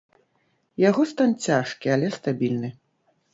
Яго стан цяжкі, але стабільны.